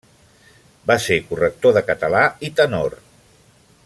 Va ser corrector de català i tenor.